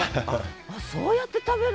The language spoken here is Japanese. あっそうやって食べる？